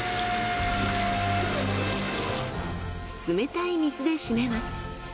冷たい水で締めます。